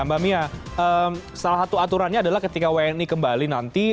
mbak mia salah satu aturannya adalah ketika wni kembali nanti